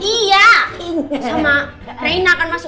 sama reina kan masuk tak banget